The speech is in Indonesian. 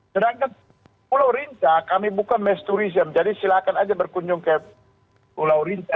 sedangkan pulau rinca kami buka mass tourism jadi silakan aja berkunjung ke pulau rinca